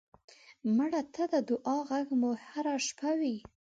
مړه ته د دعا غږ مو هر شپه وي